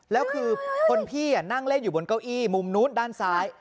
แล้วคือคนพี่นั่งเล่นอยู่บนเก้าอี้มุมนู้นด้านซ้าย